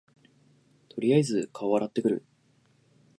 とりあえず顔洗ってくる